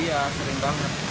iya sering banget